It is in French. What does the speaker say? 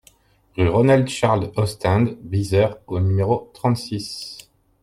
Rue Ronald Charles Ostend Beazer au numéro trente-six